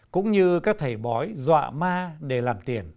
cũng như các thầy bói dọa ma